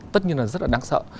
tất nhiên là rất là đáng sợ